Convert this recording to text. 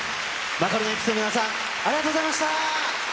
マカロニえんぴつの皆さん、ありがとうございました。